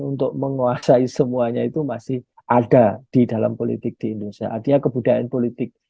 untuk menguasai semuanya itu masih ada di dalam politik di indonesia artinya kebudayaan politik